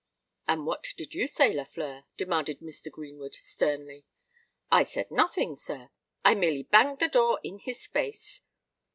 "And what did you say, Lafleur?" demanded Mr. Greenwood, sternly. "I said nothing, sir: I merely banged the door in his face."